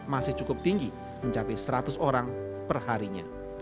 masih cukup tinggi mencapai seratus orang perharinya